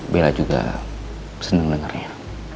bela juga seneng dengernya